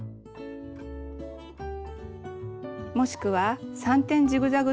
もしくは３点ジグザグ